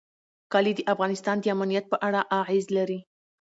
کلي د افغانستان د امنیت په اړه اغېز لري.